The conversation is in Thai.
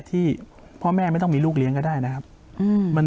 ที่พ่อแม่ไม่ต้องมีลูกเลี้ยงก็ได้นะครับ